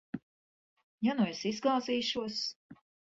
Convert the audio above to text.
Ja nu es izgāzīšos?